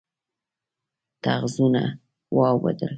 ټغرونه واوبدل